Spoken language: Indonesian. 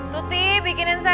tuti bikinin sesuatu